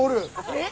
えっ！